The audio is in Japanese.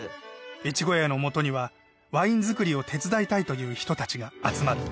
越後屋の元にはワインづくりを手伝いたいという人たちが集まる。